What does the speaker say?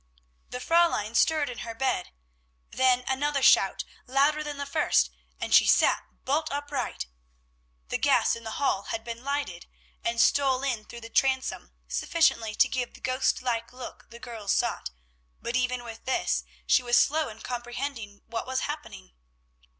The Fräulein stirred in her bed. Then another shout, louder than the first, and she sat bolt upright. The gas in the hall had been lighted, and stole in through the transom sufficiently to give the ghost like look the girls sought; but even with this, she was slow in comprehending what was happening.